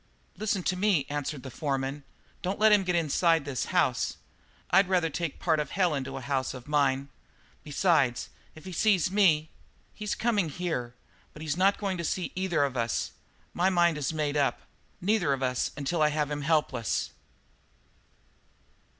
"Listen to me," answered the foreman, "don't let him get inside this house. I'd rather take part of hell into a house of mine. Besides, if he sees me " "He's coming here, but he's not going to see either of us my mind is made up neither of us until I have him helpless."